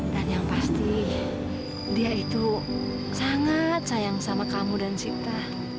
dan yang pasti dia itu sangat sayang sama kamu dan sita